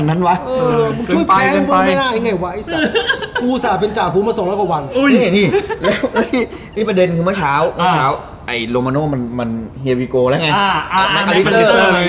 ช่วยแพ้ข้างบนไม่ได้ยังไงวะไอ้สัตว์กูสาวเป็นจ่าฟูมาส่งแล้วกว่าวันแล้วนี่ประเด็นคือเมื่อเช้าไอ้โรมโมโน่มันเฮียวิโกแล้วไง